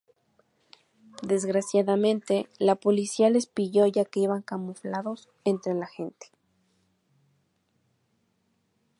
Desgraciadamente, la polícia les pilló ya que iban camuflados entre la gente.